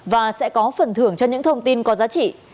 và sẽ có phần thưởng cho những thông tin có giá trị